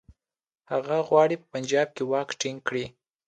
هغه غواړي په پنجاب کې واک ټینګ کړي.